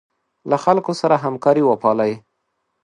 له خلکو سره همکاري وپالئ.